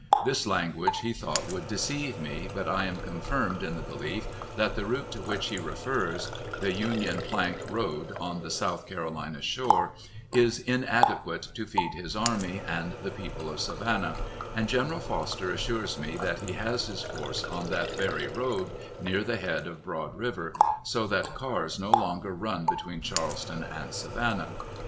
This language he thought would deceive me; but I am confirmed in the belief that the route to which he refers (the Union Plank road on the South Carolina shore) is inadequate to feed his army and the people of Savannah, and General Foster assures me that he has his force on that very road, near the head of Broad River, so that cars no longer run between Charleston and Savannah.